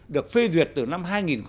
được phê duyệt từ năm hai nghìn một mươi